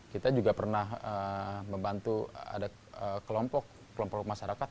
kita juga pernah membantu ada kelompok kelompok masyarakat